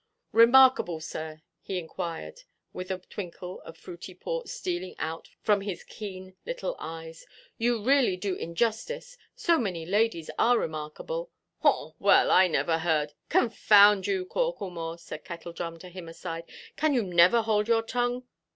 "Remarkable, sir," he inquired, with a twinkle of fruity port stealing out from his keen little eyes, "you really do injustice; so many ladies are remarkable——" "Haw, well, I never heard——" "Confound you, Corklemore," said Kettledrum to him aside, "can you never hold your tongue?